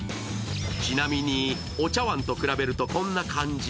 ちなみに、お茶わんと比べるとこんな感じ。